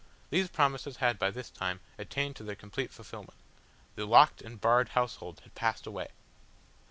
These promises had by this time attained to their complete fulfilment. The locked and barred household had passed away.